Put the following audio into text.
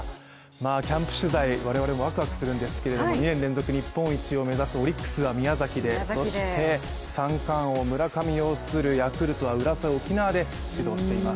キャンプ取材、我々もワクワクするんですけど２年連続日本一を目指すオリックスは宮崎で、そして三冠王・村上擁するヤクルトは浦添・沖縄で始動しています。